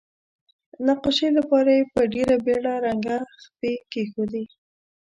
نقاشۍ لپاره یې په ډیره بیړه رنګه خپې کیښودې.